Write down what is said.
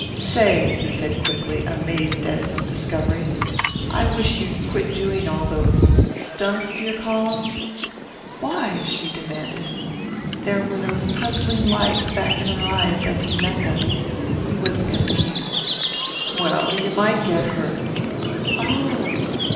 "Say," he said quickly, amazed at his own discovery, "I wish you'd quit doing all those stunts, do you call 'em?" "Why?" she demanded. There were those puzzling lights back in her eyes as he met them. He was confused. "Well, you might get hurt." "Oh!"